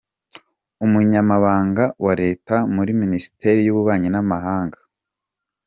Umunyamabanga wa Leta muri Minisiteri y’Ububanyi n’Amahanga, Amb.